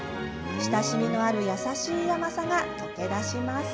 親しみのある優しい甘さが溶け出します。